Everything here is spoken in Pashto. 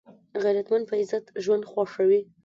غیرتمند په عزت ژوند خوښوي